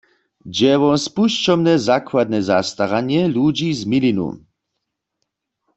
Dźe wo spušćomne zakładne zastaranje ludźi z milinu.